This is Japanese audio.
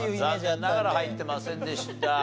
残念ながら入ってませんでした。